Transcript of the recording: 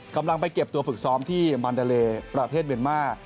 กำลังไปเก็บตัวฝึกซ้อมที่มันดาเลประเทศเมียนมาร์